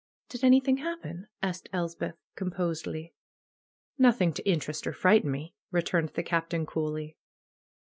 ^^Did anything happen?" asked Elspeth, composedly. ^^Nothing to interest or frighten me," returned the Captain coolly.